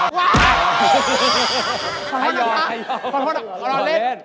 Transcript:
ขอโทษนะครับ